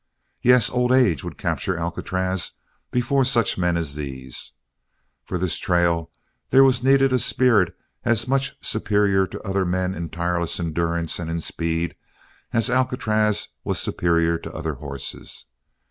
Yes, old age would capture Alcatraz before such men as these. For this trail there was needed a spirit as much superior to other men in tireless endurance and in speed as Alcatraz was superior to other horses.